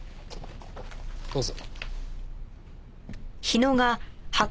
どうぞ。